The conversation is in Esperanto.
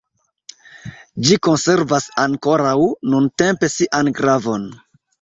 Ĝi konservas ankoraŭ, nuntempe, sian gravon.